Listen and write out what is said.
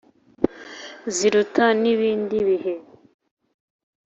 Ziruta n’ibindi bihe